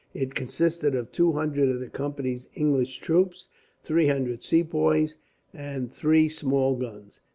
It consisted of two hundred of the Company's English troops, three hundred Sepoys, and three small guns.